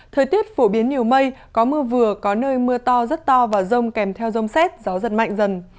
thời tiết phổ biến nhiều mây có mưa vừa có nơi mưa to rất to và rông kèm theo rông xét gió giật mạnh dần